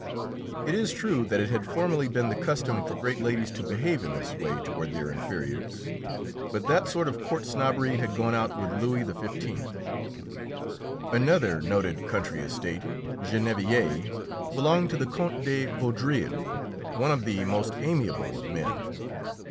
It is true that it had formerly been the custom for great ladies to behave in this way toward their inferiors, but that sort of court snobbery had gone out with Louis XV. Another noted country estate, Gennevilliers, belonged to the Count de Vaudreuil, one of the most amiable of men.